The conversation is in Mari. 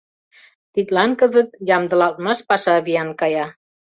Тидлан кызыт ямдылалтмаш паша виян кая.